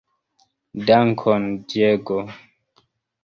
Dankon Diego!